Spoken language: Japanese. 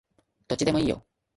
どっちでもいいよ